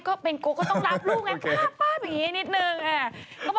ก็ต้องรับลูกเลย